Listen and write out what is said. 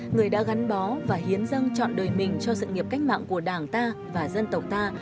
người đã gắn bó và hiến dân chọn đời mình cho sự nghiệp cách mạng của đảng ta và dân tộc ta